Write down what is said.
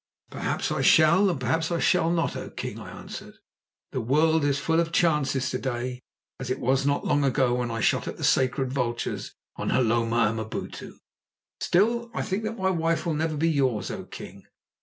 "Perhaps I shall and perhaps I shall not, O king," I answered. "The world is as full of chances to day as it was not long ago when I shot at the sacred vultures on Hloma Amabutu. Still, I think that my wife will never be yours, O king."